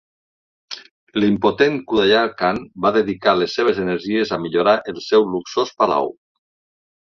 L'impotent Khudayar Khan va dedicar les seves energies a millorar el seu luxós palau.